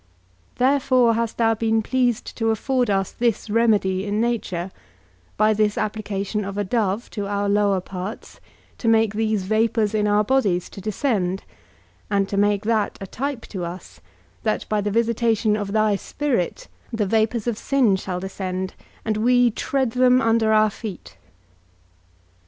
Therefore hast thou been pleased to afford us this remedy in nature, by this application of a dove to our lower parts, to make these vapours in our bodies to descend, and to make that a type to us, that, by the visitation of thy Spirit, the vapours of sin shall descend, and we tread them under our feet.